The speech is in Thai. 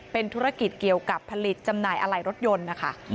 เป็นธุรกิจเกี่ยวกับผลิตจำหน่ายอะไรรถยนต์นะคะ